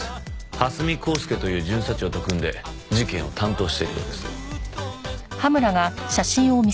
蓮見光輔という巡査長と組んで事件を担当しているようです。